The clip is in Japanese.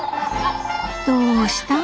どうしたの？